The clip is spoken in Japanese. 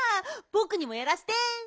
ぼくにもやらせて。